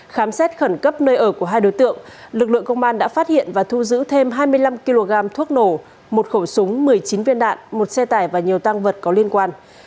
khám xét khẩn cấp nơi ở của hai đối tượng lực lượng công an đã phát hiện và thu giữ thêm hai mươi năm kg thuốc nổ một khẩu súng một mươi chín viên đạn một xe tải và nhiều tăng vật có liên quan